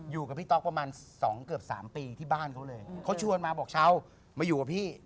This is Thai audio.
อยู่กับพี่ต๊อกประมาณสองเกือบ๓ปีที่บ้านเขาเลยเขาชวนมาบอกชาวมาอยู่กับพี่